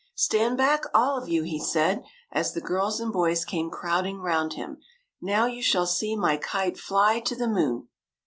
*' Stand back, all of you !" he said, as the girls and boys came crowding round him. " Now, you shall see my kite fly to the moon